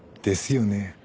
ですよね。